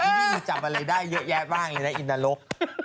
บ้าที่นี่มันจับอะไรได้เยอะแยะบ้างเลยนะอีนตะโลก